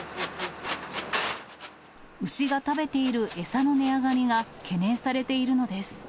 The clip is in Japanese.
牛が食べている餌の値上がりが懸念されているのです。